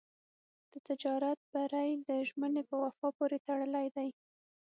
د تجارت بری د ژمنې په وفا پورې تړلی دی.